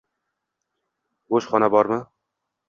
Bo’sh xona bormi?